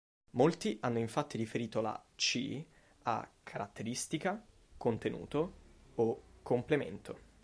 Molti hanno infatti riferito la "C" a "caratteristica", "contenuto" o "complemento".